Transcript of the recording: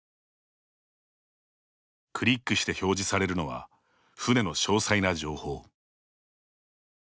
クリックして表示されるのは船の詳細な情報。